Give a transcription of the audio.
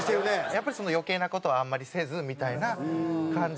やっぱり余計な事はあんまりせずみたいな感じでいきたいですね。